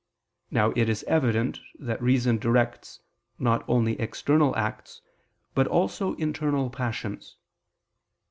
Now it is evident that reason directs not only external acts, but also internal passions.